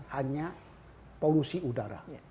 hanya polusi udara